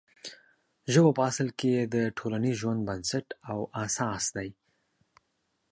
ژبه په اصل کې د ټولنیز ژوند بنسټ او اساس دی.